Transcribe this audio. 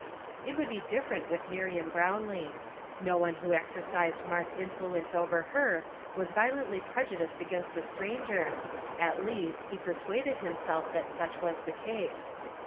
It would be different with Miriam Brownlee. No one who exercised marked influence over her was violently prejudiced against the stranger, at least he persuaded himself that such was the case.